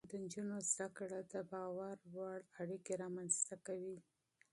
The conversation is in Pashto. د نجونو زده کړه د اعتماد وړ اړيکې رامنځته کوي.